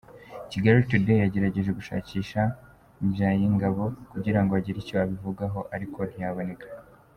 Kigali Today yagerageje gushakisha Mbyayingabo kugira ngo agire icyo abivugaho ariko ntiyaboneka.